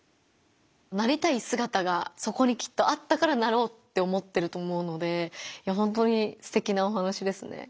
なりたいすがたがそこにきっとあったからなろうって思ってると思うのでほんとにすてきなお話ですね。